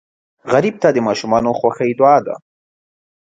غریب ته د ماشومانو خوښي دعا ده